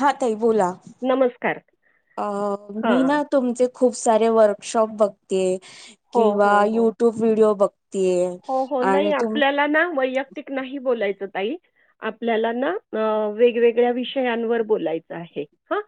हा तई बोला नमस्कार. अ मी हां. ना तुमचे खूप सारे वर्कशॉप बघते हो, किंवा हो, हो. युट्यूब व्हिडिओ बघते हो हो नाही आपल्याला ना वैयक्त तिक नाही बोलायचं ताई आपल्याला ना वेगवेगळ्या विषयांवर बोलायचं आहे आ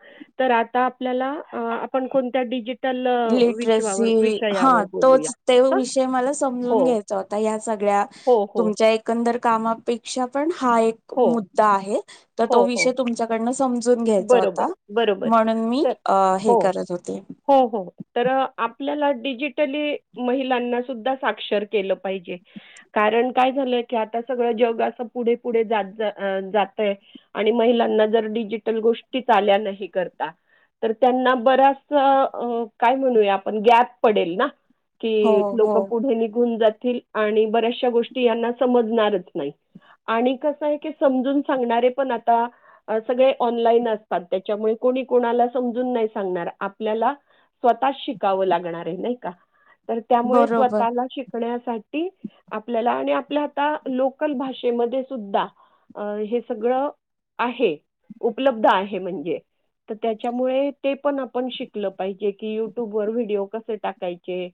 आपल्या आपण कोणत्या डिजीटल लिटरसी हा बोलूया. तोच ते हां. विषय मला हो. समजून घ्यायचा होता आता ह्या सगळ्या हो, हो. तुमच्या एकंदर कामापेक्षा पण हा एक हो. मुद्दा आहे तर तो हो, हो. विषय तुमच्याकडन समजून घ्यायचा होता बरोबर, बरोबर. म्हणून मी तर हे हो. करत होते हो, हो. तर आपल्याला डिजिटली महिलांना सुद्धा साक्षर केलं पाहिजे कारण काय झालंय की आता सगळ जग अस पुढे पुढे जातय आणि महिलांना जर डिजिटल गोष्टीच आल्या नाही करता तर त्यांना बराच काय म्हणूया आपण गॅप पडेल ना हो कि हो लोक पुढे निघून जातील आणि बऱ्याचशा गोष्टी यांना समजणारच नाही आणि कस आहे समजून सांगणारे पण आता सगळे ऑनलाईन असतात त्याच्यामुळे कोणी कोणाला समजून नाही सांगणार आपल्याला स्वतः शिकावं लागणार आहे नाही का तर त्यामुळे बरोबर स्वतःला शिकण्या आपल्याला आणि आपल्या आ लोकल भाषेमध्ये सुद्धा अ हे सगळं आहे उपलब्ध आहे म्हणजे तर त्याच्यामुळे ते पण आपण शिकलं पाहिजे की युट्यूब वर व्हिडिओ कसे टाकायचे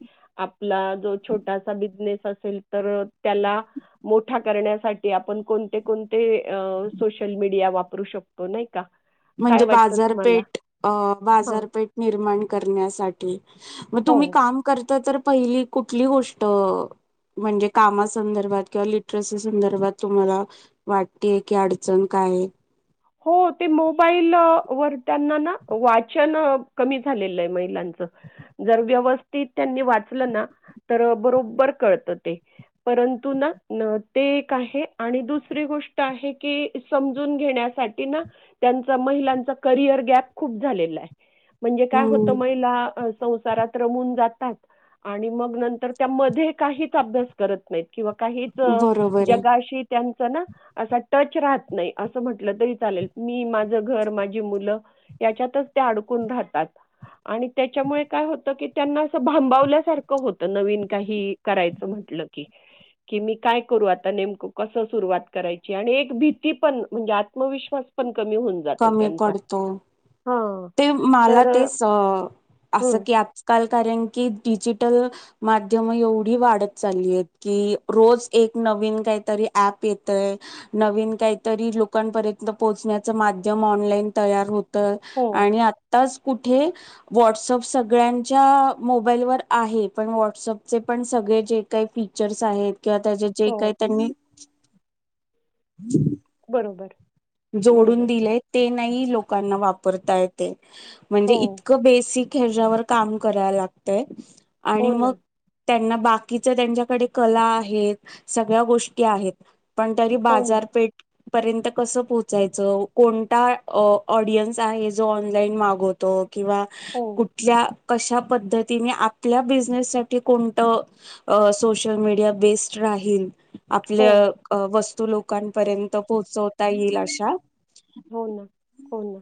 आपला जो छोटासा बिझनेस असेल तर त्या मोठा करण्यासाठी आपण कोणते कोणते सोशल मीडिया वापरू शकतो नाही का काय म्हणजे वाटतं तुम्हाला बाजारपेठ हां बाजारपेठ निर्माण करण्यासाठी मग हो तुम्ही काम करता तर पहिली कुठली गोष्ट म्हणजे कामा संदर्भात किं लिटरसी संदर्भात तुम्हाला वाटतेय की अडचण का नाही हो ते मोबाईल वर त्यांना ना वाचन कमी झालेलं आहे महिलांच जर व्यवस्थित त्यांनी वाचलं ना तर बरोबर कळतं ते परंतु ना ते एक आहे आणि दुसरी गोष्ट आहे की समजून घेण्या त्यासाठी ना त्यांचा महिलांचा करिअर गॅप खूप झालेले म्हणजे काय होतं हम्म महिला संसारात रमून जातात आणि मग नंतर त्या मध्ये काहीच अभ्यास करत नाही किंवा काहीच बरोबर आहे जगाशी त्यांच ना असा टच राहत नाही असं म्हण लं तरी चालेल मी माझं घर माझी मुलं याच्यातच ते अडकून राहतात आणि त्याच्यामुळे काय होत की त्यांना असं भांबवल्यासारखं होत नवीन काही करायचं म्हण मतल की की मी काय करू आता नेमक कस सुरुवात करायची आणि एक भीती पण म्हणजे आ आत्मविश्वास पण कमी होऊन जातो कमी त्यांचा पडतो हां. ते मला तर अ, तेच असं हं. की आजकाल कारण की डिजिटल माध्यम एवढी वाढत चालली आहेत की रोज एक नवीन काहीतरी ॲप येतय नवीन काहीतरी लोकांपर्यंत पोहोचण्याच माध्यम ऑनलाईन तयार होत हो, आणि आत्ताच कुठे व्हॉट्सअप सगळ्यांच्या मोबाईल व आहे पण वॉटसअप पण स सगळे जे काही फीचर्स आहेत किंवा त्याच्या जे हो. काही त्यांनी बरोबर जोडून बरोबर. दिले ते नाही लोकांना वापरता येत म्हणजे हो, इतकं बेसिक ह्याच्यावर काम करा लागतय आणि हो ना, मग त्यांना बाकीच त्यांच्याकडे कला आहेत सगळ्या गोष्टी आहेत पण तरी हो ना. बाजारपेठ पर्यंत कसं पोचायचं कोणता ऑडियन्स आहे जो ऑनलाईन मागवतो किंवा हो, कुठल्या कशा पद्धतीने आपल्या बिझनेस सा कोणत सोशल मडिया बेस्ड रा हो, आपल्या वस्तू लोकांपर्यंत पोहोचवता येईल अशा हो ना हो ना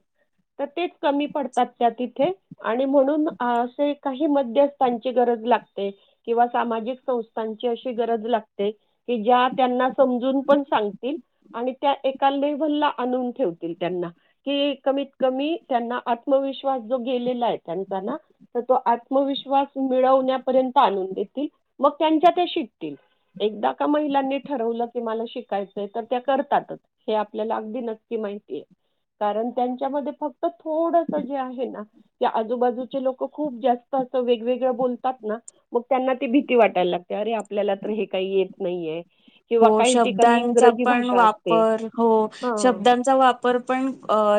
तर तेच कमी पडतात त्या तिथे आणि म्हणून असे काही मध्यस्थांची गरज लागते किंवा सामाजिक संस्थांची अशी गरज लागते की ज्या त्यांना समजून पण सांगतील आणि त्या एका लेवलला आणून ठेवतील क कमीत क त्यांना आत्मविश्वास जो गेला आहे त्यांचा ना त आत्मविश्वास मिळवण्यापर्यंत आणून देतील मग त्यांच्या ते शिकतील एकदा का महिलांनी ठरवलं की मला शिकायचंय तर त्या करतातच हे आपल्याला अगदी नकी माहि ते कारण त्यांच्यामध्ये फक्त थोडस जे आहे ना त्या आजूबाजूचे लोक खूप जास्त वेगवेगळ बोलतात ना मग त्यांना त भीती वाटायला लागते अरे आपल्याला तर हे काही येत नाहीय हो शब्दांचा पण असते. वापर हो हां. शब्दांचा वाप पण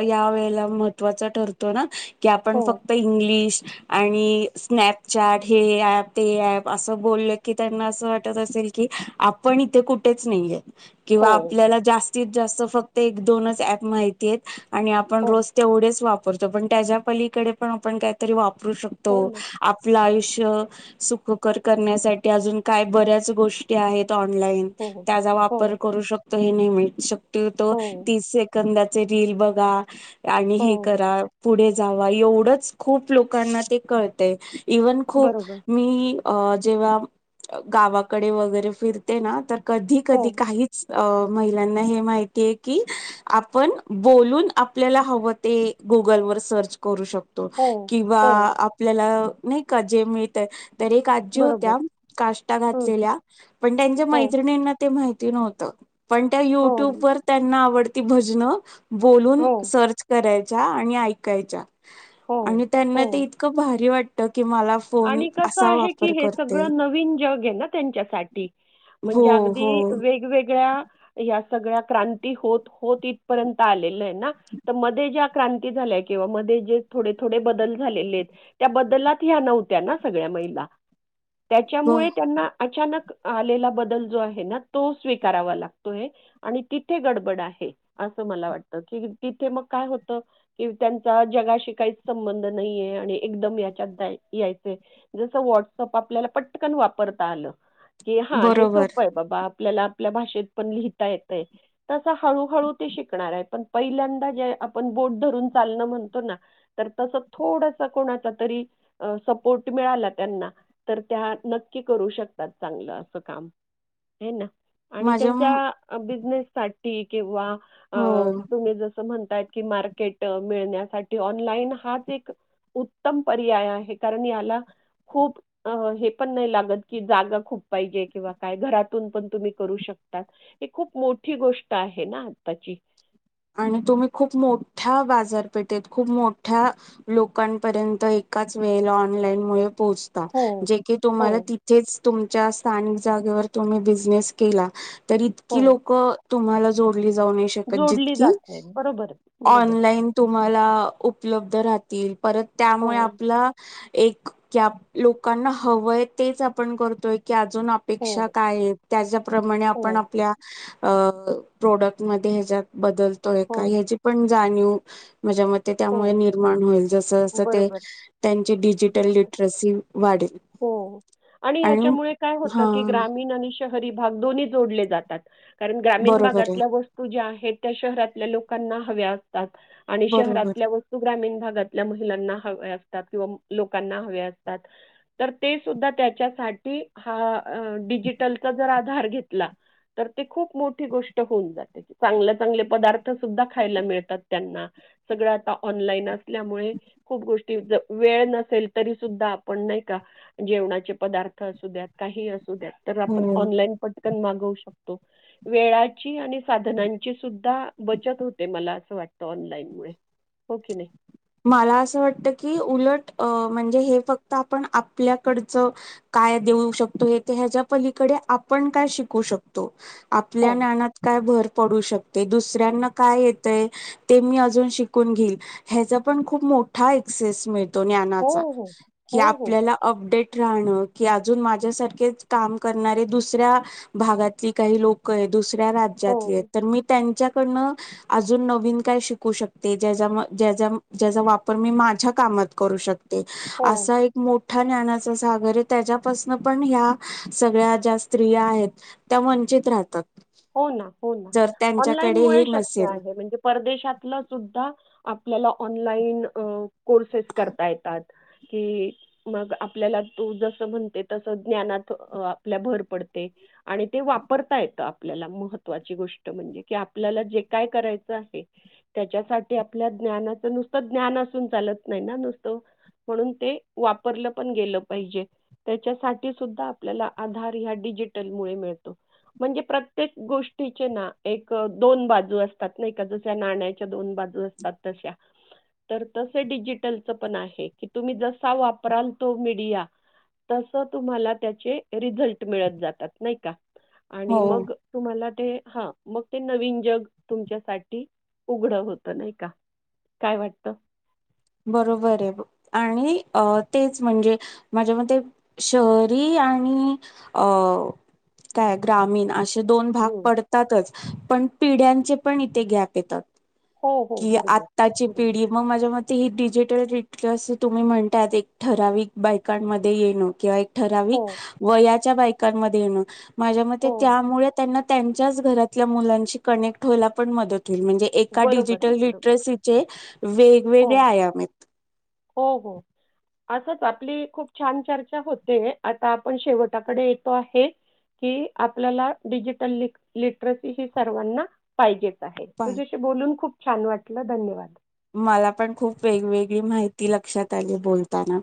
या वेळेला महत्वा ठरतो ना की आपण हो, फक्त इंग्लिश आणि स्नॅपचॅट हे ऍप ते ऍप असं बोललं की त्यांना असं वाटत असे क आपण ते कुठेच नाही किंवा हो, आपल्याला जास्तीत जास्त फक्त एक दोनच ऍप माहिती आणि आपण हो, रोज तेवढेच वापरतो पण त्याच्या पलीकडे पण आपण काहीतरी वाप वापरू शकतो हो ना. आपल आयुष्य सुखकर करण्यासाठी अजून काही गोष्ट आहेत हो, त्याचा वापर हो, करू शकतो हे नाही शक्यतो हो, तीस सेकंद रील बघा आणि हे हो. करा पुढे जावा एवढंच खूप लोकांना ते कळतय इव्हन खूप बरोबर. मी अ जेव्हा गावाकडे वगैरे फिरते ना तर कधी हो, कधी काहीच अ महिलांना हे माहितीय की आपण बोलून आपल्याला हवं ते गुगल वर सर्च करू शकतो हो, किंवा हो. आपल्याला नाही का जे मिळतय तरक आजी होत्या बरोबर. काष्टा हं. घातलेल्या पण त्यांच्या हो, मै मा पण त्या हो, युट्यूब व त्यांना आवड भजन बोलून हो, सर्च करायच्या आणि ऐकायच्या हो, आणि त्यांना ते हो. इतकं भारी वाटत की मला फोन आणि कस असा आहे की वापर हे करते. सगळं नवीन जग हे ना त्यांच्यासाठी हो म्हणजे हो आगदी वेगवेगळ्या ह्या सगळ्या क्रांती होत होत इथपर्यंत आलेल हे ना त मध्ये ज्या क्रांती झाल्या किंव्हा मध्ये जे थोडे थोडे बदल झालेले हेत त्या बदलात ह्या नव्हं त्या ना सगळ्या महिला ब त्याच्यामुळे त्यांना अचानक आलेला बदल जो आहे ना तो स्वीकारावा लागतोय आणि तिथे गडबड आहे अस मला वाटत की तिथे मग काय होत की त्यांचा जगाशी काहीच संबंध नाहीये आणि एकदम याच्यात जाय याय चय जस व्हॉट्सअँप आपल्याला पटकन वापरता आलं की हा हे बरोबर सोपं आहे बाबा आपल्याला आपल्या भाषेत पण लिहिता येतय तस हळू हळू ते शिकणार आहे पण पहिल्यांदा जे आपण बोट धरून चालन म्हणतो ना तर तसं थोडसं कोणाच्या तरी स पोट मिळाला त्यांना तर त्या नक्की करू शकतात चांगलं अस काम हे ना आणि माझ्या त्यांच्या बिजनेस साटी किंवा हो तुम्ही जस म्हणताय कि मार्केट मिळण्यासाठी ऑनलाईन हाच एक उत्तम पर्याय आहे कारण याला खूप हे पण नाही लागत की जागा खूप पाहिजे किंवा काय घरातून पण तुम्ही करू शक तात हे खूप मोठी गोष्ट आहे ना आताची आणि तुम्ही खूप मोठ्या बाजारपेठेत खूप मोठ्या लोकांपर्यंत एकाच वेळेला ऑनलाईन मूळे पोहचता हो, जे की हो, तुम्हाला तिचेच तुमच्या स्थान जागेवर तुम्ही बिझनेस केला तरी इतकी हो. लोक तुम्हाला जो डली जावू नाही शकतं जोडली जितकी जात नाही. बरोबर, बरोबर. ऑनलाईन तुम्हाला उपलब्ध राहतील परत हो, त्यामुळे आपलं एक की आप लोकांना हवंय तेच आपण करतोय की आजून अपेक्षा हो, काय आहे त्याज्याप्रमाणे हो, आपण आपल्या अ प्रोडक्ट मध्ये हेज्यात बदलतोय हो, काय हेची पण जाणीव माझ्या मते त्यामुळे हो. निर्माण होईल जसं जसं ते बरोबर, त्यांची डिजिटल बरोबर. लिटरसी वाढेल. हो आणि याच्यामुळे काय होत हा की ग्रामीण आणि श हरी भाग दोन्ही जोडले जातात. कारण ग्रामीण बरोबर आहे भागातल्या वस्तू ज्या आहेत त्या शहरातल्या लोकांना हव्या असतात आणि शहरात बरोबर तल्या वस्तू ग्रामीण भागातल्या मु लाना हव्या असतात किंव्हा लोकांना हव्या असतात तर ते सुद्धा त्याच्यासाठी हा डिजिटलचा जर आधार घेतला तर ते खूप मोठी गोष्ट होऊन जाते चांगल चांगले पदार्थ सुद्धा खायला मिळतात त्यांना सगळं आता ऑनलाईन असल्यामुळे खूप गोष्टी वेळ नसेल तरी सुद्धा आपण नाही का जेवणाचे पदार्थ असू द्यात काही असू द्यात तर आपण हो ऑनलाईन पट कण मागवू शकतो वेळाची आणि साधनांची सुद्धा बचत होते मला अस वा टत ऑनलाईन मुळे हो की नाही? मला असं वाटत की उलट म्हणजे हे फक्त आपण आपल्याकडचं काय देऊ शकतो हे ह्याच्या पलीकडे आपण काय शिकू शकतो आपल्या हो. ज्ञानात काय भर पडू शक ते दुसऱ्यांना काय येतय ते मी अजून शिकून घेईल ह्याच पण खूप मोठा एक्सेस मिळतो हो, ज्ञानाचा हो. की हो, हो. आपल्या अपडेट राहण की आजून माझ्यासारखेच काम करणारे दुसऱ्या भागातली काही लोक हेत दुसऱ्या हो, राज्यातले तर मी त्यांच्या कडन आजून नवीन काय शिकू शकते जेज्या म जेज्या म ज्येजा वापर मी माझ्या कामात करू शकते हो. आसा एक मो ठा ज्ञानाचा सागर आहे त्याच्यापासन पण ह्या सगळ्या ज्या स्त्रिया आहेत त्या वंचित राहतात. हो ना, हो ना, जर ऑनलाईन त्यांच्याकडे हे मुळे शक्य नसेल आहे म्हणजे परदेशातलं सुद्धा आपल्याला ऑनलाईन कोर्सेस करता येतात. कि मग आपल्याला तू जस म्हणते तस ज्ञानात आपल्या भर पडते. आणि ते वापरता येता. आपल्याला महत्वाची गोष्ट म्हणजे की आपल्याला जे काय करायचं आहे त्याच्यासाठी आपल्या ज्ञानाच नुसतं ज्ञान असून चालत नाही ना नुसतं. म्हणून ते वापरलं पण गेलं पाहिजे त्याच्यासाठी सुद्धा आपल्याला आधार ह्या डी जिटल मुळे मिळतो. म्हणजे प्र त्येक गोष्टीचे ना एक दोन बाजू असतात नाही का जस्या नाण्याच्या दोन बाजू असतात त श्या. तर तसे डिजिटलच पण आहे की तुम्ही जसा वापराल तो मीडया तस तुम्हाला त्याचे रिझल्ट मिळत जातात नाही का आणि हो मग तुम्हाला ते हा मग ते नवीन जग तुमच्यासाठी उघड होत नाही का काय वाटत? बरोबर आहे बघ आणि तेच म्हणजे माझ्या मते शहरी आणि अ काय ग्रामीण असे दोन भाग हम्म. पडतातच पण पिढ्यांचे पण इथे गॅप येतात हो हो की बरोबर आताची बरोबर पिढी मग माझ्या मते ती डिजिटल [unintelligible] जस तुम्ही म्हणताात एक ठराविक बायकांमध्ये येणं किंवा एक हो ठरावीक वयाच्या बायकांमध्ये येण माझ्या मते हो त्यामुळे त्यांना त्यांच्याच घरातल्या मुलांशी कनेक्ट हो्यला पण मदत [unintelligible] म्हणजे एका बरोबर डिजिटल बरोबर लिट्रसीचे हो वेगवेगळे [unintelligible] हो हो. असंच आपली खूप छान चर्चा होते आता आपण शेवटाकडे येतो आहे. कि आपल्याला डिजिटल लिट लिट्रसी ही सर्वांना पाहिजेच. तुझ्याशी बोलून खूप छान वाटलं धन्यवाद. मला पण खूप वेगवेगळी माहिती लक्षात आली बोलताना.